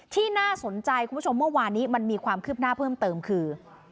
ที่น่าสนใจคุณผู้ชมเมื่อวานนี้มันมีความคืบหน้าเพิ่มเติมคือ